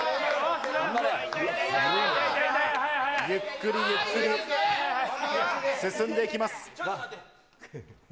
ゆっくりゆっくり進んでいきます。